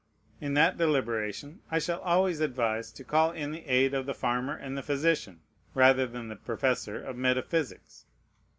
In that deliberation I shall always advise to call in the aid of the farmer and the physician, rather than the professor of metaphysics.